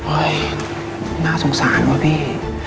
โอ้ยน่าสงสารว่ะพี่